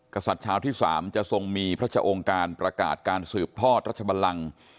กษัตริย์เช้าที่๓จะทรงมีพระชะองค์การประกาศการสืบทอดรัชบันลัง